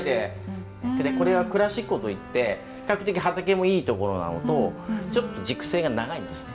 これはクラシッコといって比較的畑もいい所なのとちょっと熟成が長いんですね。